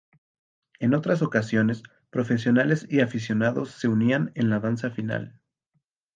En otras ocasiones, profesionales y aficionados se unían en la danza final.